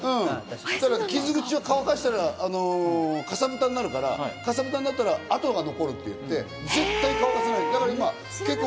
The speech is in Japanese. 傷口は乾かしたら、かさぶたになるから、かさぶたになったら痕が残るっていって絶対乾かさない。